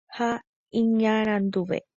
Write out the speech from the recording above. ha iñaranduve